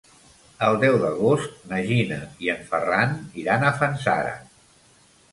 El deu d'agost na Gina i en Ferran iran a Fanzara.